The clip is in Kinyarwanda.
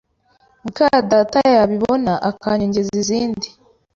mukadata yabibona akanyongeza izindi